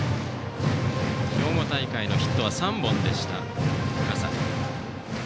兵庫大会のヒットは３本でした、笠井。